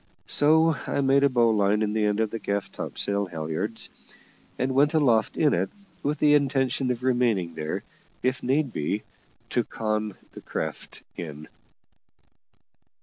So I made a bowline in the end of the gaff topsail halliards, and went aloft in it, with the intention of remaining there, if need be, to con the craft in.